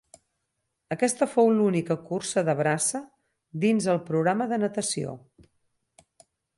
Aquesta fou l'única cursa de braça dins el programa de natació.